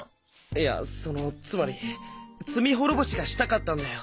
いやそのつまり罪滅ぼしがしたかったんだよ。